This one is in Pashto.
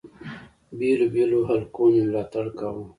بېلو بېلو حلقو مي ملاتړ کاوه.